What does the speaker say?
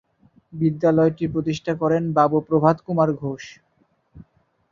বিদ্যালয়টি প্রতিষ্ঠা করেন বাবু প্রভাত কুমার ঘোষ।